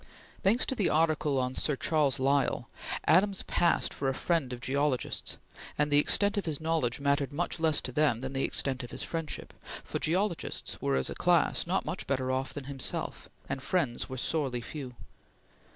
Thanks to the article on Sir Charles Lyell, Adams passed for a friend of geologists, and the extent of his knowledge mattered much less to them than the extent of his friendship, for geologists were as a class not much better off than himself, and friends were sorely few.